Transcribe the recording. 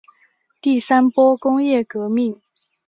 第三波工业革命